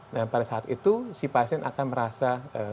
nah pada saat itu si pasien akan merasa